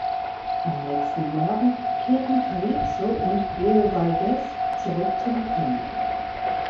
Am nächsten Morgen kehren Kalypso und Leo Valdez zurück zum Camp.